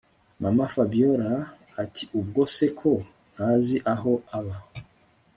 MamaFabiora atiubwo se ko ntazi aho aba